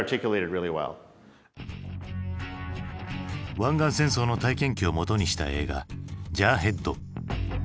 湾岸戦争の体験記をもとにした映画「ジャーヘッド」。